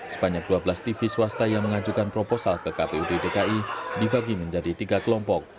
sebanyak dua belas tv swasta yang mengajukan proposal ke kpud dki dibagi menjadi tiga kelompok